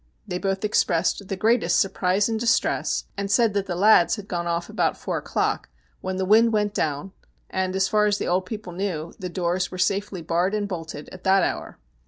They both expressed the greatest surprise and distress, and said that the lads had gone off about four o'clock when the wind went down, and, as far as the old people knew, the doors were safely barred and bolted at that hour.